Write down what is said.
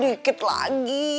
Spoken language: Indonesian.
dikit lagi dikit lagi